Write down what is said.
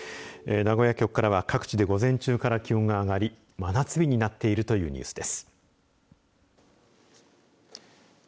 名古屋局からは各地で午前中から気温が上がり真夏日になっているというニュースです。